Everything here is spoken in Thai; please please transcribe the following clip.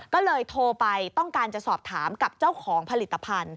ก็เลยโทรไปต้องการจะสอบถามกับเจ้าของผลิตภัณฑ์